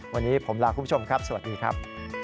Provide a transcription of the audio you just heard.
วันนี้ผมลาคุณผู้ชมครับสวัสดีครับ